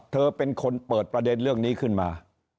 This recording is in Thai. เธอเป็นคนเปิดประเด็นเรื่องนี้ขึ้นมา